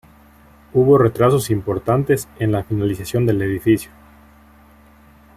Hubo retrasos importantes en la finalización del edificio.